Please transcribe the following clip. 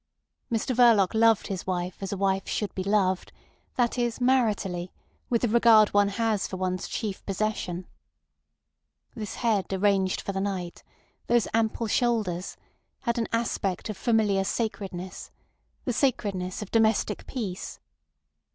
Mr Verloc loved his wife as a wife should be loved—that is, maritally, with the regard one has for one's chief possession. This head arranged for the night, those ample shoulders, had an aspect of familiar sacredness—the sacredness of domestic peace.